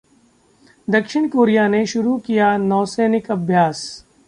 दक्षिण कोरिया ने शुरू किया नौसैनिक अभ्यास